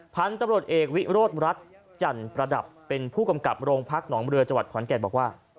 พันธุ์ตำรวจเอกวิโรธรัฐจันประดับเป็นผู้กำกับโรงพักหนองเรือจังหวัดขอนแก่นบอกว่า